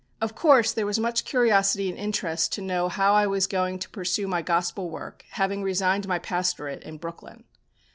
Of course there was much curiosity and interest to know how I was going to pursue my Gospel work, having resigned my pastorate in Brooklyn.